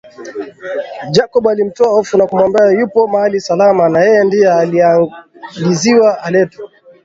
Jacob alimtoa hofu na kumwambia yupo mahali salama na yeye ndio aliagizwa aletwe